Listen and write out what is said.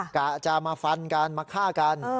กะจะมาฟันกันมาฆ่ากัน